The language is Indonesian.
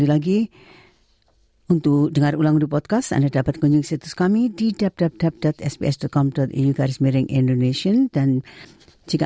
anda bersama sbs bahasa indonesia